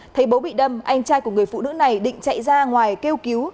thấy bố bị đâm anh trai của người phụ nữ này định chạy ra ngoài kêu cứu